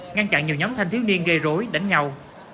ngăn chặn nhiều nhóm thanh thiếu niên gây rối đánh nhau